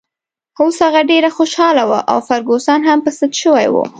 اوس هغه ډېره خوشحاله وه او فرګوسن هم په سد شوې وه.